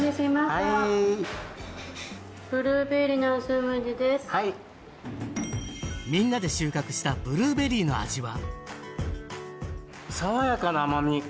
はいはいみんなで収穫したブルーベリーの味は？